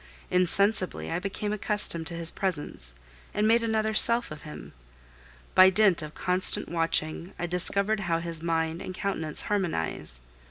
Insensibly I became accustomed to his presence, and made another self of him. By dint of constant watching I discovered how his mind and countenance harmonize.